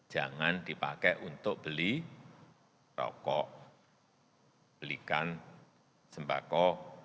jangan dipakai untuk beli rokok belikan sembako